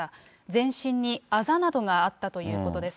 全身にあざなどがあったということです。